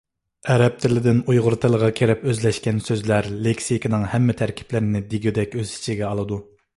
ئەرەب تىلىدىن ئۇيغۇر تىلىغا كىرىپ ئۆزلەشكەن سۆزلەر لېكسىكىنىڭ ھەممە تەركىبلىرىنى دېگۈدەك ئۆز ئىچىگە ئالىدۇ.